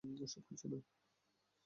ওসব কিছু না।